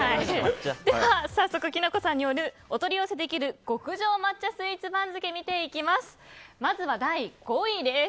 では、早速きな子さんによるお取り寄せできる極上抹茶スイーツ番付見ていきます。